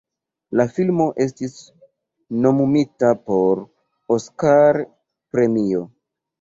La filmo estis nomumita por Oskar-premio.